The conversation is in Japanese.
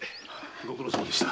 ご苦労様でした。